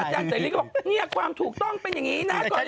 อาจารย์เต๋ลิกก็บอกนี่ความถูกต้องเป็นอย่างนี้นะ